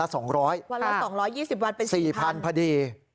วันละ๒๒๐วันเป็น๔๐๐พอดี